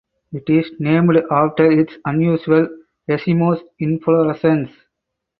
It is named after its unusual racemose inflorescence.